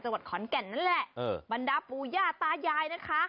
จังหวัดขอนแก่นนั่นแหละเออบรรดาปูย่าตายายนะคะ